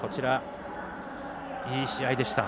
いい試合でした。